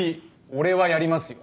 俺はやりますよ。